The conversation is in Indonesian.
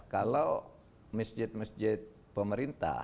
kalau masjid masjid pemerintah